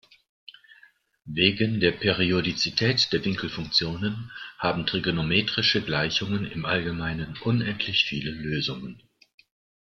Wegen der Periodizität der Winkelfunktionen haben trigonometrischen Gleichungen im Allgemeinen unendlich viele Lösungen.